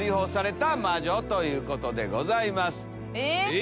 え？